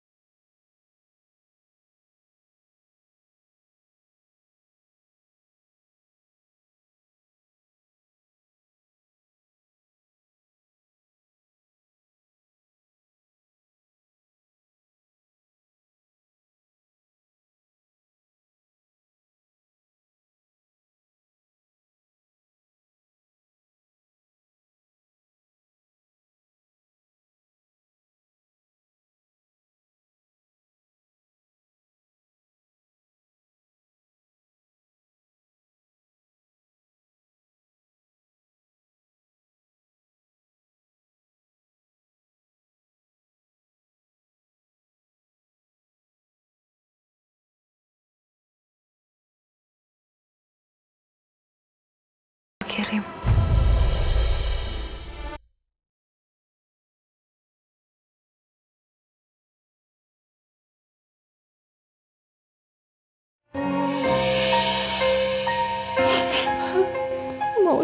duit juga sih ngaku